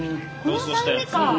その酸味か！